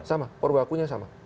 sama purwakunya sama